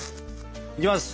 いきます！